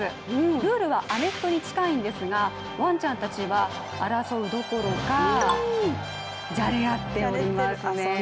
ルールはアメフトに近いんですがワンちゃんたちは争うどころかじゃれ合っておりますね。